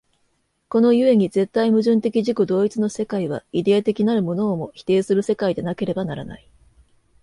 この故に絶対矛盾的自己同一の世界は、イデヤ的なるものをも否定する世界でなければならない。